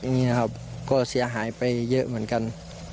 นี่ฮะก็เสียหายไปเยอะเหมือนกัน